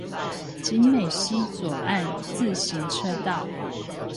景美溪左岸自行車道